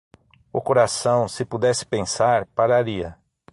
O coração, se pudesse pensar, pararia.